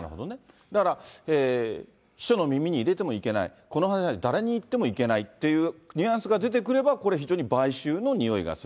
だから、秘書の耳に入れてもいけない、この話は誰に言ってもいけないっていうニュアンスが出てくれば、これは非常に買収のにおいがする。